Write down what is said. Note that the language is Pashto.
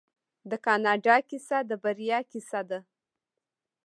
د کاناډا کیسه د بریا کیسه ده.